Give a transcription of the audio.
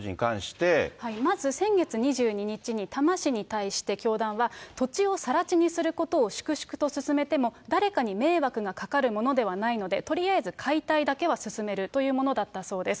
まず先月２２日に、多摩市に対して教団は、土地をさら地にすることを粛々と進めても、誰かに迷惑がかかるものではないので、とりあえず解体だけは進めるというものだったそうです。